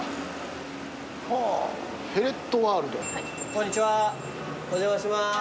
こんにちはお邪魔します。